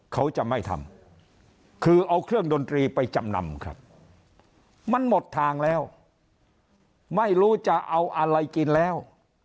เขาจะไม่ทำคือเอาเครื่องดนตรีไปจำนำครับมันหมดทางแล้วไม่รู้จะเอาอะไรกินแล้ว